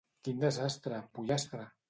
Quin desastre, pollastre!